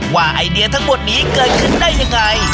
ไอเดียทั้งหมดนี้เกิดขึ้นได้ยังไง